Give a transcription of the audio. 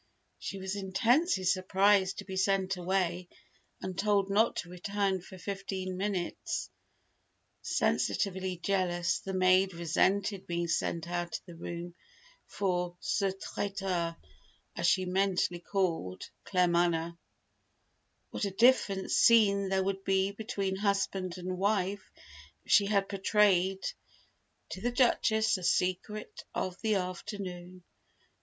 She was intensely surprised to be sent away and told not to return for fifteen minutes. Sensitively jealous, the maid resented being sent out of the room for ce traitre, as she mentally called Claremanagh. What a different scene there would be between husband and wife if she had betrayed to the Duchess the secret of the afternoon!